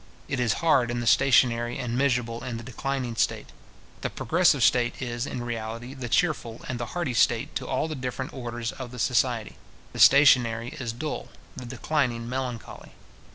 It is hard in the stationary, and miserable in the declining state. The progressive state is, in reality, the cheerful and the hearty state to all the different orders of the society; the stationary is dull; the declining melancholy.